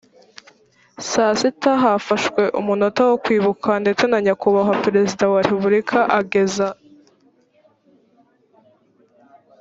saa sita hafashwe umunota wo kwibuka ndetse nyakubahwa perezida wa repubulika ageza